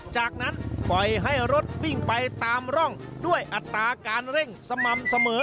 จากนั้นปล่อยให้รถวิ่งไปตามร่องด้วยอัตราการเร่งสม่ำเสมอ